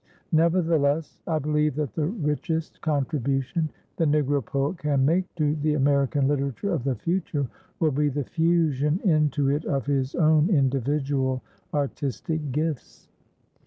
Nevertheless, I believe that the richest contribution the Negro poet can make to the American literature of the future will be the fusion into it of his own individual artistic gifts.